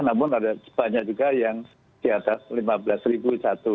namun ada banyak juga yang di atas lima belas ribu satu